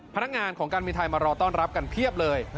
พนักงานของการบินไทยมารอต้อนรับกันเพียบเลย